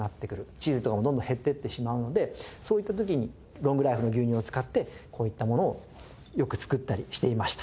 チーズとかもどんどん減っていってしまうのでそういった時にロングライフの牛乳を使ってこういったものをよく作ったりしていました。